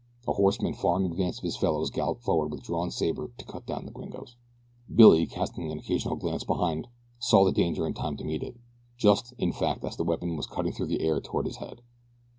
A horseman far in advance of his fellows galloped forward with drawn saber to cut down the gringos. Billy, casting an occasional glance behind, saw the danger in time to meet it just, in fact, as the weapon was cutting through the air toward his head.